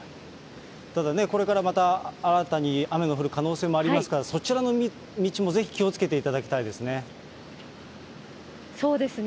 ただね、これからまた新たに雨の降る可能性もありますから、そちらの道もぜひ気をつけていただきたいですね。